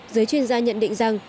giới chuyên gia nhận định rằng